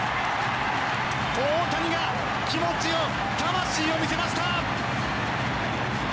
大谷が、気持ちを魂を見せました！